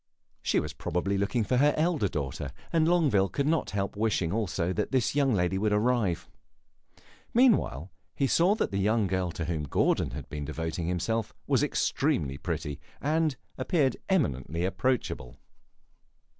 She was probably looking for her elder daughter, and Longueville could not help wishing also that this young lady would arrive. Meanwhile, he saw that the young girl to whom Gordon had been devoting himself was extremely pretty, and appeared eminently approachable.